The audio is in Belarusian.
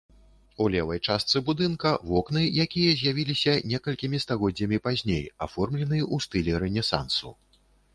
У левай частцы будынка вокны, якія з'явіліся некалькімі стагоддзямі пазней, аформлены ў стылі рэнесансу.